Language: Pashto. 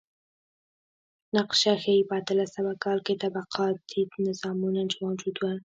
نقشه ښيي په اتلس سوه کال کې طبقاتي نظامونه موجود و.